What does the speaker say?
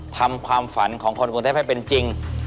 ทำความฝันของคนกรุงเทพให้เป็นจริง